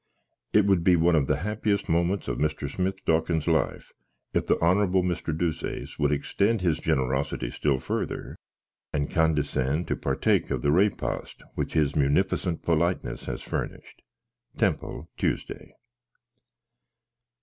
"It would be one of the happiest moments of Mr. Smith Dawkins's life, if the Hon. Mr. Deuceace would extend his generosity still further, and condescend to partake of the repast which his munificent politeness has furnished. "Temple, Tuesday."